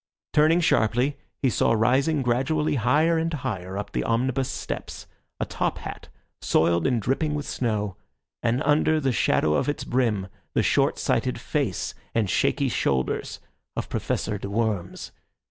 Turning sharply, he saw rising gradually higher and higher up the omnibus steps a top hat soiled and dripping with snow, and under the shadow of its brim the short sighted face and shaky shoulders of Professor de Worms.